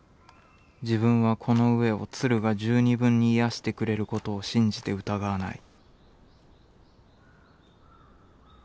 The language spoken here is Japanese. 自分はこの餓えを鶴が十二分に癒してくれることを信じて疑わない」。